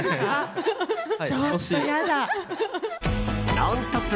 「ノンストップ！」